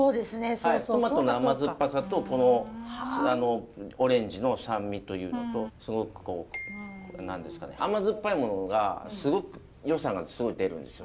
はいトマトの甘酸っぱさとこのオレンジの酸味というのとすごくこう何ですかね甘酸っぱいものがすごくよさがすごい出るんですよ。